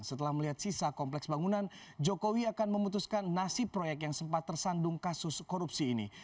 setelah melihat sisa kompleks bangunan jokowi akan memutuskan nasib proyek yang sempat tersandung kasus korupsi ini